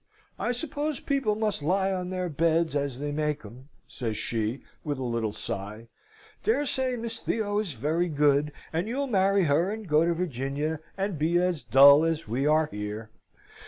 "I suppose people must lie on their beds as they make 'em," says she, with a little sigh. "Dare say Miss Theo is very good, and you'll marry her and go to Virginia, and be as dull as we are here.